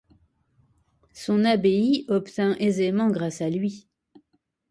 Son abbaye obtint aisément grâce à lui.